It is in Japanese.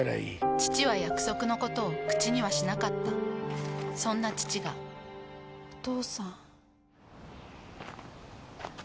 父は約束のことを口にはしなかったそんな父がお父さん。